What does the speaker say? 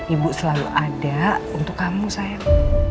ibu selalu ada untuk kamu sayang